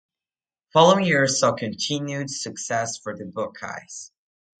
Following years saw continued success for the Buckeyes.